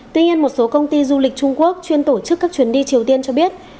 tuy nhiên một số công ty du lịch trung quốc chuyên tổ chức các chuyến đi triều tiên cho biết